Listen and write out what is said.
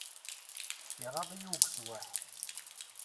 Iɣaḍ-iyi ugeswaḥ!